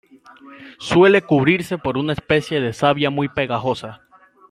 Suele cubrirse por una especie de savia muy pegajosa.